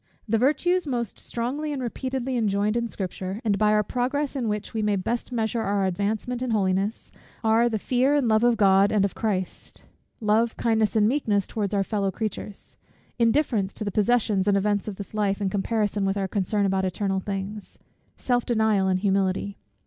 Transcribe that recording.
The virtues most strongly and repeatedly enjoined in Scripture, and by our progress in which we may best measure our advancement in holiness, are the fear and love of God and of Christ; love, kindness, and meekness towards our fellow creatures; indifference to the possessions and events of this life, in comparison with our concern about eternal things; self denial, and humility.